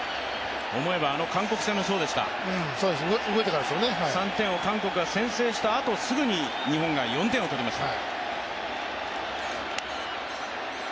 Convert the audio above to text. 思えばあの韓国戦もそうでした、韓国が３点を先制したあと、すぐに日本が４点を取りました。